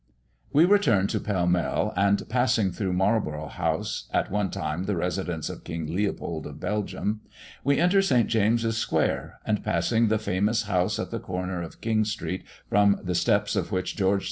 We return to Pall Mall, and passing Marlborough House (at one time the residence of King Leopold of Belgium), we enter St. James's square; and passing the famous house at the corner of King street from the steps of which George IV.